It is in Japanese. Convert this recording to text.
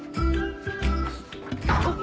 あっ！